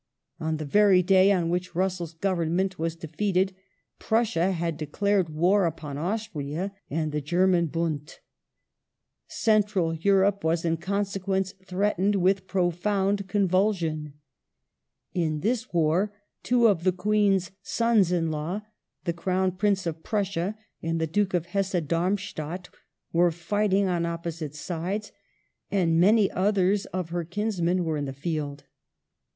On the very day on which Russell's Government was defeated, Prussia had declared war upon Austria and the German Bund. Central Europe was, in consequence, threatened with pro found convulsion. In this war two of the Queen's sons in law, the Crown Prince of Prussia and the Duke of Hesse Dai mstadt, were fighting on opposite sides, and many others of her kinsmen were in the field.